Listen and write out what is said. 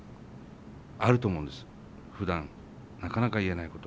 あると思うんですふだんなかなか言えないこと。